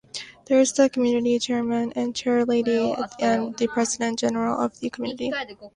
There is the community chairman and chairlady, and the President General of the Community.